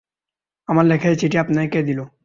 আমার লেখা এই চিঠি আপনাকে কে দিল?